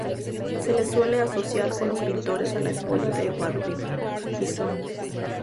Se le suele asociar con los pintores la escuela de Barbizon.